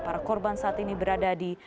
para korban saat ini berada di